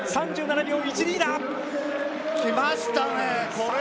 ３７秒１２だ。